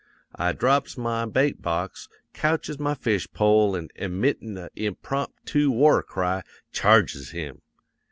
I drops my bait box, couches my fishpole, an' emittin' a impromptoo warcry, charges him.